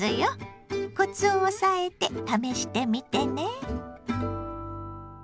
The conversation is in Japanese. コツを押さえて試してみてね！